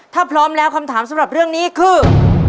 ถ้าพร้อมแล้วคำถามสำหรับเรื่องนี้คือ